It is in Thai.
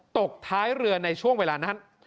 ตกท้ายเรือในช่วงเวลานั้น